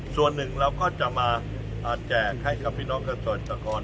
ส่วนหนึ่งเราก็จะมาแจกให้กับพี่น้องเกษตรกร